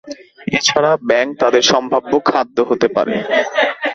এছাড়া ব্যাঙ তাদের সম্ভাব্য খাদ্য হতে পারে।